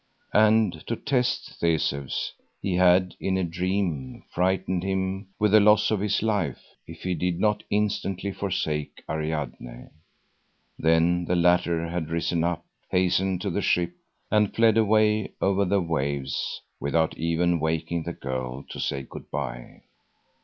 And to test Theseus he had in a dream frightened him with the loss of his life, if he did not instantly forsake Ariadne. Then the latter had risen up, hastened to the ship, and fled away over the waves without even waking the girl to say good bye.